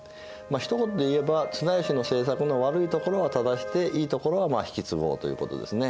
ひと言で言えば綱吉の政策の悪いところは正していいところは引き継ごうということですね。